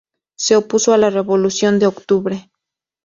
Se opuso a la Revolución de Octubre.